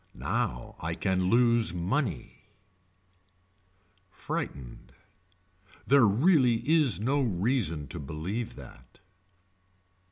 Now I can lose money. Frightened. There really is no reason to believe that.